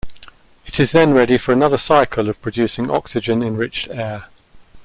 It is then ready for another cycle of producing oxygen-enriched air.